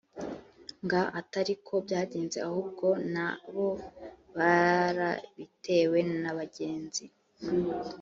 nga atari ko byagenze ahubwo na bo barabitewe na bagenzi